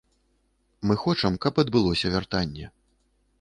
Мы хочам, каб адбылося вяртанне.